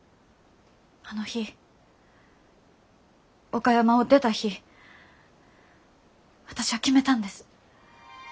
あの日岡山を出た日私は決めたんです。